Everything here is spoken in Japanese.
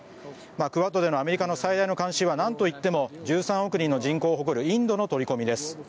クアッドでのアメリカの最大の関心はなんといっても１３億人の人口を誇るインドの取り込みです。